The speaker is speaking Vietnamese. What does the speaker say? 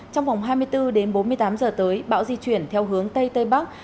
trong vòng hai mươi bốn đến bốn mươi tám giờ tới bão di chuyển theo hướng tây tây bắc